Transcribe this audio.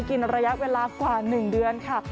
กินระยะเวลากว่า๑เดือนค่ะ